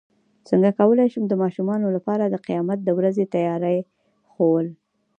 څنګه کولی شم د ماشومانو لپاره د قیامت د ورځې تیاري ښوول